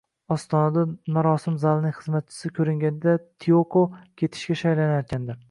Ostonada marosim zalining xizmatchisi ko`ringanda Tiyoko ketishga shaylanayotgandi